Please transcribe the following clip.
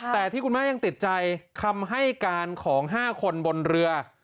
แต่ที่คุณแม่ยังติดใจคำให้การของ๕คนบนเรือ